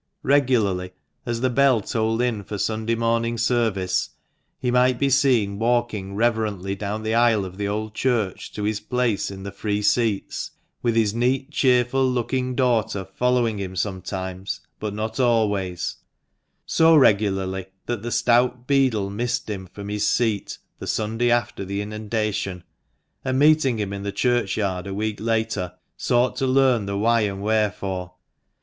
Regularly as the bell tolled in for Sunday morning service, he might be seen walking reverently down the aisle of the old church, to his place in the free seats, with his neat, cheerful looking daughter following him sometimes, but not always — so regularly that the stout beadle missed him from his seat the Sunday after the inundation, and meeting him in the churchyard a week later, sought to learn the why and wherefore.